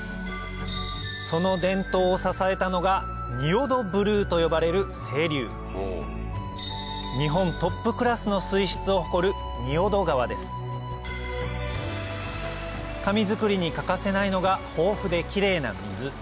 その伝統を支えたのが仁淀ブルーと呼ばれる清流日本トップクラスの水質を誇る紙作りに欠かせないのが豊富でキレイな水